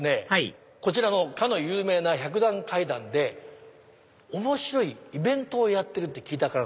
はいこちらのかの有名な百段階段で面白いイベントをやってると聞いた。